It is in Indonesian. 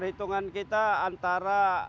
berhitungan kita antara